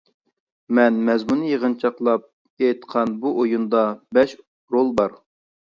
مەن مەزمۇننى يىغىنچاقلاپ ئېيتقان بۇ ئويۇندا بەش رول بار.